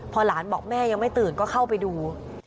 พอหลานบอกแม่ยังไม่ตื่นก็เข้าไปดู